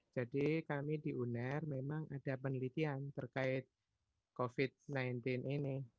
jadi kami di uner memang ada penelitian terkait covid sembilan belas ini